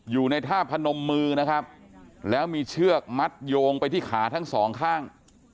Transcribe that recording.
อยู่ในท่าพนมมือนะครับแล้วมีเชือกมัดโยงไปที่ขาทั้งสองข้าง